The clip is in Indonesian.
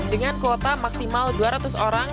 dengan kuota maksimal dua ratus orang